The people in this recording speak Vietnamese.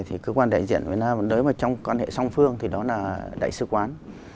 thì cơ quan đại diện việt nam nếu mà trong quan hệ song phương thì đó là đại sứ quán